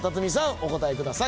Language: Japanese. お答えください。